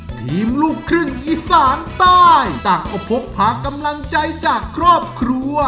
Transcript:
ทีมลูกครึ่งอีสานใต้ต่างก็พกพากำลังใจจากครอบครัว